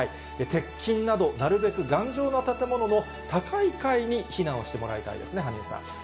鉄筋など、なるべく頑丈な建物の高い階に避難をしてもらいたいですね、羽生さん。